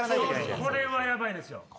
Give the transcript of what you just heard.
これはヤバいですよ。